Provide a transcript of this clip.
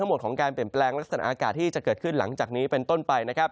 หมดของการเปลี่ยนแปลงลักษณะอากาศที่จะเกิดขึ้นหลังจากนี้เป็นต้นไปนะครับ